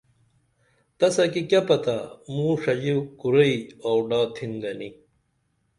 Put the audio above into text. تسہ کی کیہ پتہ موں ݜژی کُرئی آوڈا تِھن گنی